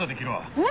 えっ？